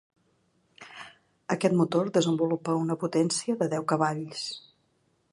Aquest motor desenvolupa una potència de deu cavalls.